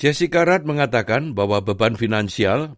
jessica rath mengatakan bahwa beban finansialnya